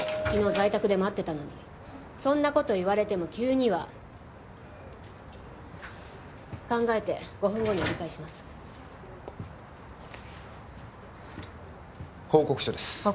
昨日在宅で待ってたのにそんなこと言われても急には考えて５分後に折り返します報告書です